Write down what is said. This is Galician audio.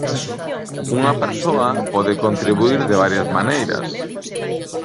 Unha persoa pode contribuír de varias maneiras.